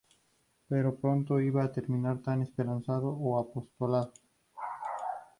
Pero pronto iba a terminar tan esperanzador apostolado.